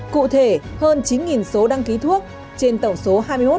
cụ thể hơn chín số đăng ký thuốc trên tổng số hai mươi một